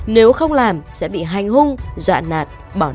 nếu không làm sẽ bị hành hung dọa nạt